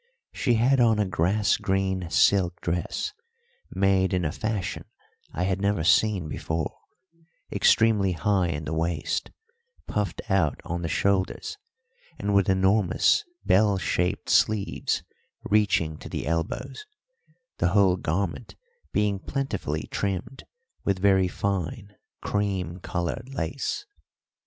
She had on a grass green silk dress, made in a fashion I had never seen before; extremely high in the waist, puffed out on the shoulders, and with enormous bell shaped sleeves reaching to the elbows, the whole garment being plentifully trimmed with very fine cream coloured lace.